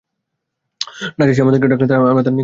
নাজ্জাশী আমাদেরকে ডাকলে আমরা তার নিকট গেলাম।